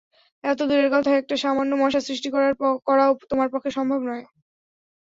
এতো দূরের কথা, একটা সামান্য মশা সৃষ্টি করাও তোমার পক্ষে সম্ভব নয়।